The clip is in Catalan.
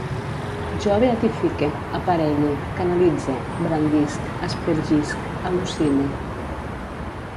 Jo beatifique, aparelle, canalitze, brandisc, aspergisc, al·lucine